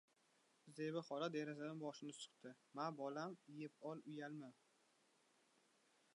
— Zebi xola derazadan boshini suqdi. — Ma, bolam, yeb ol, uyalma!